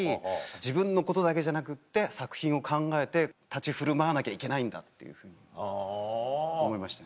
自分のことだけじゃなくって作品を考えて立ち振る舞わなきゃいけないんだっていうふうに思いましたね。